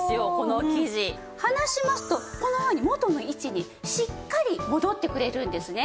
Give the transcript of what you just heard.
離しますとこんなふうに元の位置にしっかり戻ってくれるんですね。